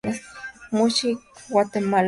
Music Guatemala.